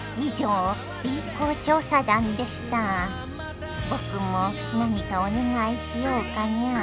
僕も何かお願いしようかにゃあ。